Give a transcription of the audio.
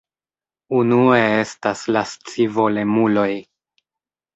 Unue estas la scivolemuloj.